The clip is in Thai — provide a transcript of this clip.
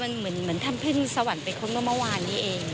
มันเหมือนท่านเพื่อนสวรรค์ไปครบเมื่อวานนี้เอง